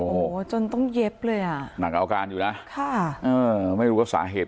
โอ้โหจนต้องเย็บเลยอ่ะหนักเอาการอยู่นะค่ะเออไม่รู้ว่าสาเหตุ